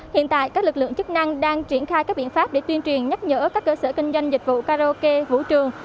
hiện tại các lực lượng chức năng đang triển khai các biện pháp để tuyên truyền nhắc nhở các cơ sở kinh doanh dịch vụ karaoke vũ trường